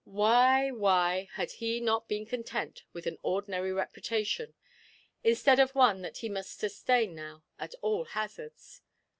Why, why had not he been content with an ordinary reputation, instead of one that he must sustain now at all hazards?